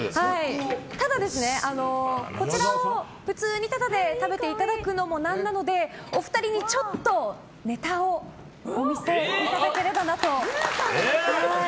ただ、こちらを普通にタダで食べていただくのもなんなのでお二人にちょっとネタをお見せいただければなと。